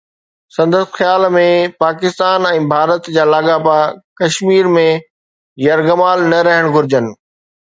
سندس خيال ۾ پاڪستان ۽ ڀارت جا لاڳاپا ڪشمير ۾ يرغمال نه رهڻ گهرجن.